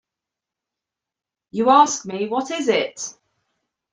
You ask me what is it?